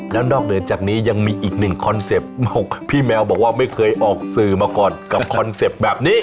แล้วนอกเหนือจากนี้ยังมีอีกหนึ่งคอนเซ็ปต์พี่แมวบอกว่าไม่เคยออกสื่อมาก่อนกับคอนเซ็ปต์แบบนี้